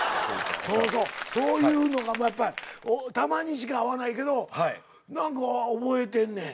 そういうのがやっぱたまにしか会わないけど何か覚えてんねん。